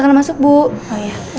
tante aku masuk dulu ya